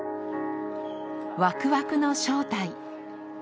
ワクワクの正体。